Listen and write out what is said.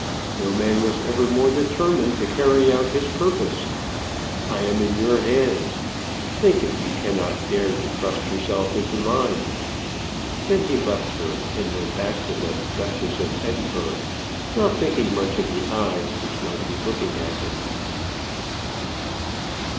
No man was ever more determined to carry out his purpose. I am in your hands. Think if you cannot dare to trust yourself into mine." Then he left her, and went back to the "Duchess of Edinburgh," not thinking much of the eyes which might be looking at him.